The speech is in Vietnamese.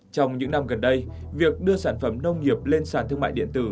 trong những năm gần đây việc đưa sản phẩm nông nghiệp lên sàn thương mại điện tử